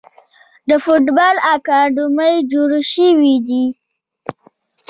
د فوټبال اکاډمۍ جوړې شوي دي.